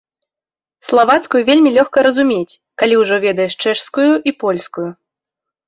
Славацкую вельмі лёгка разумець, калі ўжо ведаеш чэшскую і польскую.